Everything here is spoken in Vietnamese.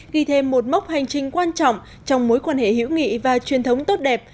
ghi thêm một mốc hành trình quan trọng trong mối quan hệ hữu nghị và truyền thống tốt đẹp